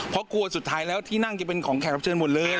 เพราะกลัวสุดท้ายแล้วที่นั่งจะเป็นของแขกรับเชิญหมดเลย